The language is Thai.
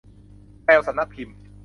แพรวสำนักพิมพ์